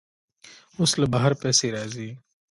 اوس له بهر پیسې راځي.